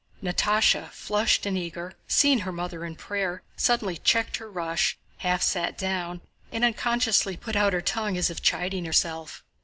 Natásha, flushed and eager, seeing her mother in prayer, suddenly checked her rush, half sat down, and unconsciously put out her tongue as if chiding herself.